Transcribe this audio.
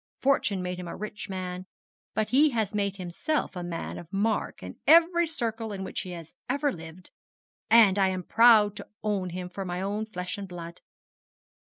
Fortune made him a rich man, but he has made himself a man of mark in every circle in which he has ever lived, and I am proud to own him for my own flesh and blood.